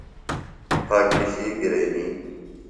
پھاگ پِشِیک گِرئنی۔